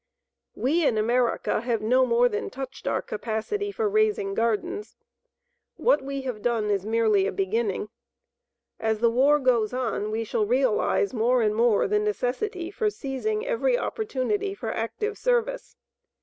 We in America have no more than touched our capacity for raising gardens. What we have done is merely a beginning. As the war goes on we shall realize more and more the necessity for seizing every opportunity for active service.